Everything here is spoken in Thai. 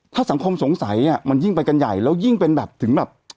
ถ้าสังคมสงสัยมันยิ่งไปกันใหญ่แล้วยิ่งเป็นแบบถึงแบบ